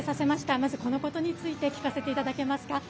まず、このことについて聞かせていただけますか。